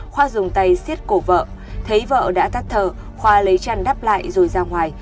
khoa dùng tay xiết cổ vợ thấy vợ đã tắt thở khoa lấy chăn đắp lại rồi ra ngoài